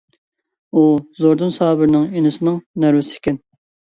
ئۇ زوردۇن سابىرنىڭ ئىنىسىنىڭ نەۋرىسى ئىكەن.